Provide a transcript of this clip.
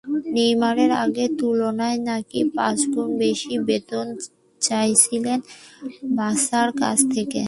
Neymar আগের তুলনায় নাকি পাঁচগুণ বেশি বেতন চাইছিলেন বার্সার কাছ থেকে।